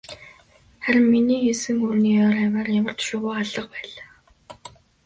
Харин миний хийсэн үүрний ойр хавиар ямарч шувуу алга байлаа.